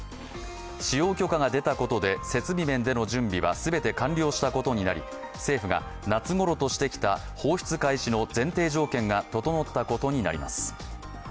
使用許可が出たことで設備面での準備は全て完了したことになり、政府が夏ごろとしてきた放出開始の前提条件が整ったことになります。